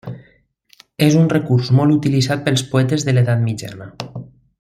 És un recurs molt utilitzat pels poetes de l'edat mitjana.